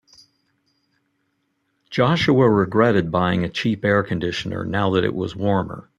Joshua regretted buying a cheap air conditioner now that it was warmer.